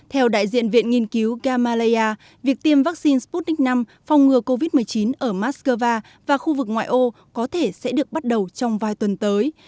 theo đại diện viện nghiên cứu gamaleya việc tiêm vaccine sputnik v phong ngừa covid một mươi chín ở moscow và khu vực ngoại ô có thể sẽ được bắt đầu trong vài tuần tới